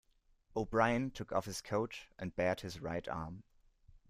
O'Brien took off his coat and bared his right arm.